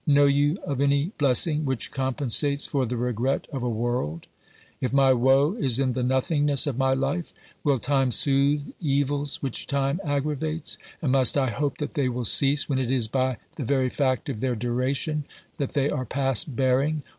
Know you of any blessing which compensates for the regret of a world ? If my woe is in the nothingness of my life, will time soothe evils which time aggravates, and must I hope that they will cease when it is by the very fact of their duration that they are past bearing